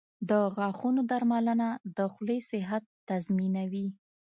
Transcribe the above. • د غاښونو درملنه د خولې صحت تضمینوي.